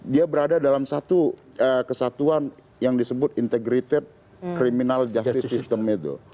dia berada dalam satu kesatuan yang disebut integrated criminal justice system itu